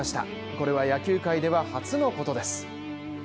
これは野球界では初のことです。